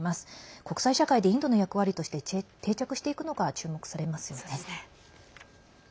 国際社会でインドの役割として定着していくのか注目されますよね。